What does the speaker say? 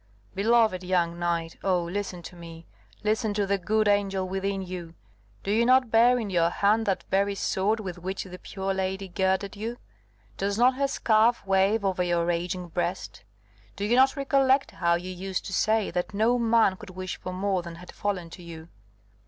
"Beloved young knight, oh, listen to me listen to the good angel within you! Do you not bear in your hand that very sword with which the pure lady girded you? does not her scarf wave over your raging breast? Do you not recollect how you used to say, that no man could wish for more than had fallen to you?"